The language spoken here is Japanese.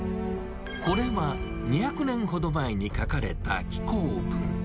これは２００年ほど前に書かれた紀行文。